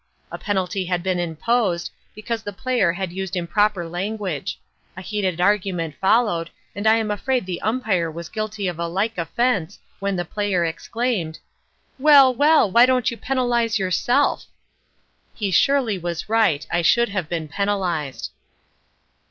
A penalty had been imposed, because the player had used improper language. A heated argument followed, and I am afraid the Umpire was guilty of a like offense, when the player exclaimed: "Well! Well! Why don't you penalize yourself?" He surely was right. I should have been penalized.